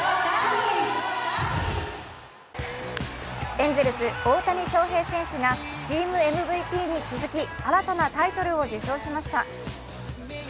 エンゼルス・大谷翔平選手がチームＭＶＰに続き新たなタイトルを受賞しました。